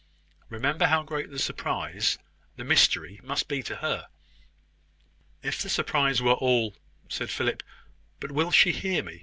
Remember how great the surprise, the mystery, must be to her." "If the surprise were all " said Philip. "But will she hear me?